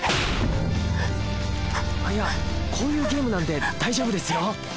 あっいやこういうゲームなんで大丈夫ですよ。